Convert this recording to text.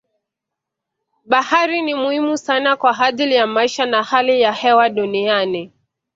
Bahari ni muhimu sana kwa ajili ya maisha na hali ya hewa duniani.